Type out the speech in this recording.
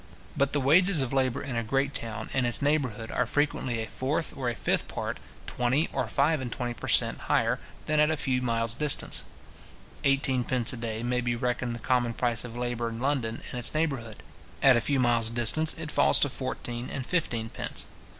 But the wages of labour in a great town and its neighbourhood are frequently a fourth or a fifth part, twenty or five and—twenty per cent. higher than at a few miles distance. Eighteen pence a day may be reckoned the common price of labour in London and its neighbourhood. At a few miles distance, it falls to fourteen and fifteen pence.